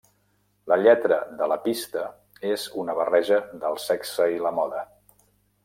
La lletra de la pista és una barreja del sexe i la moda.